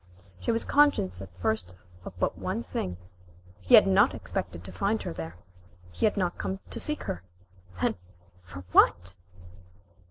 She was conscious at first of but one thing he had not expected to find her there. He had not come to seek her. Then, for what?